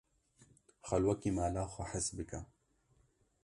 Xwe wekî li mala xwe his bike.